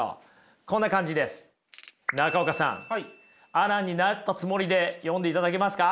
アランになったつもりで読んでいただけますか。